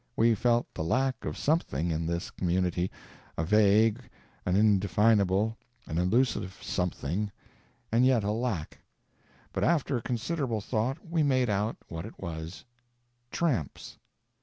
We felt the lack of something in this community a vague, an indefinable, an elusive something, and yet a lack. But after considerable thought we made out what it was tramps.